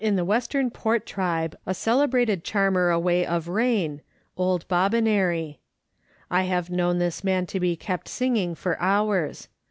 We have iii the Western Port tribe a celebrated charmer away of rain, old Bobbinary. I have known this man to be kept singing for hours.